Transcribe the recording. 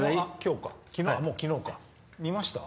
もう昨日か見ました？